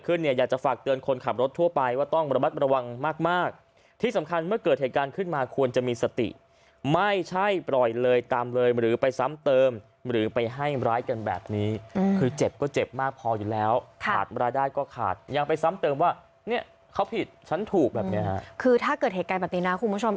คือถ้าเกิดเหตุการณ์แบบนี้นะคุณผู้ชม